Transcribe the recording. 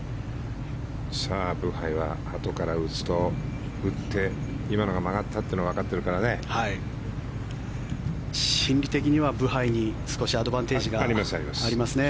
ブハイはあとから打つと打って今のが曲がったというのが心理的にはブハイに少しアドバンテージがありますね。